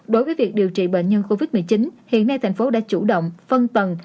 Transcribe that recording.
đối với việc điều trị bệnh nhân covid một mươi chín hiện nay thành phố đã chủ động phân tầng